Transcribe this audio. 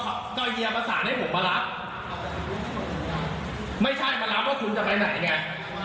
ก็เฮียประสานให้ผมมารับไม่ใช่มารับว่าคุณจะไปไหนไง